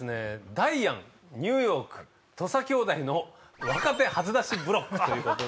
ダイアンニューヨーク土佐兄弟の若手初出しブロックということで。